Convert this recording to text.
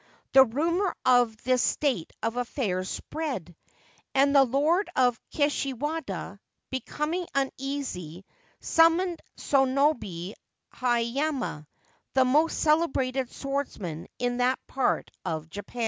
The rumour of this state of affairs spread, and the Lord of Kishiwada, becoming uneasy, summoned Sonobe Hayama, the most celebrated swordsman in that part of Japan.